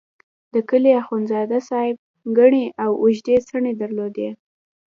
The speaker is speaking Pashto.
د کلي اخندزاده صاحب ګڼې او اوږدې څڼې درلودې.